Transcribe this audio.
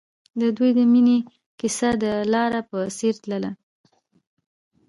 د دوی د مینې کیسه د لاره په څېر تلله.